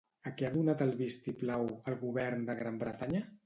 A què ha donat el vistiplau, el govern de Gran Bretanya?